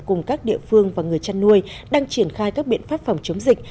cùng các địa phương và người chăn nuôi đang triển khai các biện pháp phòng chống dịch